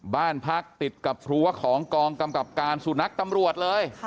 บ้านพักติดกับรั้วของกองกำกับการสุนัขตำรวจเลย